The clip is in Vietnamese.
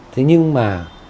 thế nhưng mà